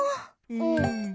うん。